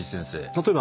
例えば。